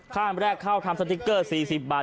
ขั้นแรกเข้าทำสติ๊กเกอร์๔๐บาท